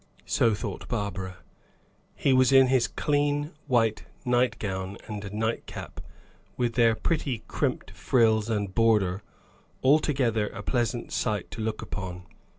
So thought Barbara. He was in his clean white nightgown and nightcap, with their pretty crimped frills and border; altogether a pleasant sight to look upon.